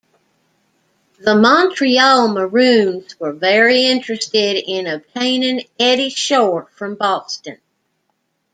The Montreal Maroons were very interested in obtaining Eddie Shore from Boston.